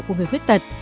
của người khuyết tật